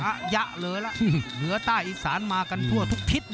ระยะเลยล่ะเหนือใต้อีสานมากันทั่วทุกทิศ